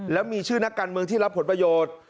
แล้วมีชื่อนักการเมืองที่รับผลประโยชน์